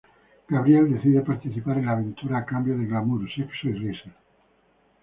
Gabriel decide participar en la aventura a cambio de glamour, sexo y risas.